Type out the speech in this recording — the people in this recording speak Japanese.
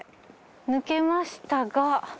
抜けましたが。